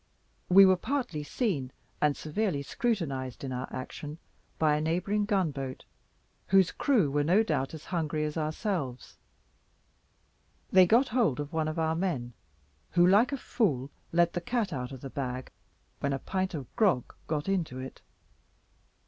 We were partly seen, and severely scrutinized in our action by a neighbouring gun boat, whose crew were no doubt as hungry as ourselves; they got hold of one of our men, who, like a fool, let the cat out of the bag, when a pint of grog got into it.